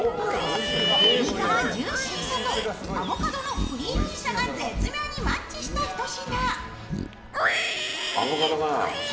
肉のジューシーさとアボカドのクリーミーさが絶妙にマッチした一品。